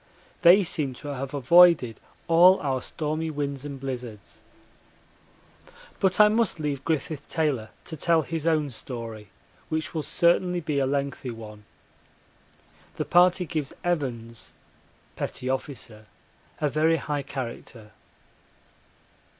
They seem to have avoided all our stormy winds and blizzards. But I must leave Griffith Taylor to tell his own story, which will certainly be a lengthy one. The party gives Evans [P.O.] a very high character.